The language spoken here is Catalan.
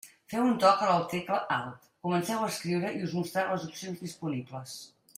Feu un toc a la tecla Alt, comenceu a escriure i us mostrarà les opcions disponibles.